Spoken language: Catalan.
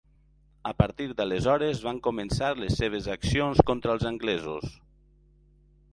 A partir d'aleshores van començar les seves accions contra els anglesos.